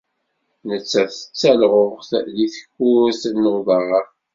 Nettat d talɣuɣt deg tkurt n uḍar.